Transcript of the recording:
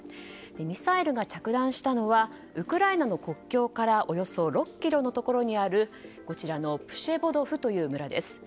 ミサイルが着弾したのはウクライナの国境からおよそ６ｋｍのところにあるプシェボドフという村です。